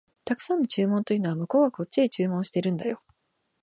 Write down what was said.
沢山の注文というのは、向こうがこっちへ注文してるんだよ